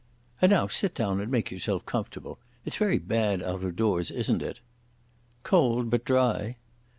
"And now sit down and make yourself comfortable. It's very bad out of doors, isn't it?" "Cold, but dry."